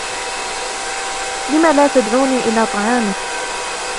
لم لا تدعوني إلى طعامك